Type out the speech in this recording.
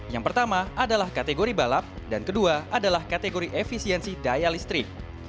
yang pertama adalah kategori balap dan kedua adalah kategori efisiensi daya listrik